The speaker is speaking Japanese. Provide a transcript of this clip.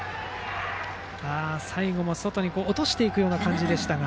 最後も外に落としていくような感じでしたが。